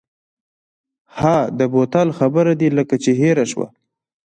ها د بوتل خبره دې لکه چې هېره شوه.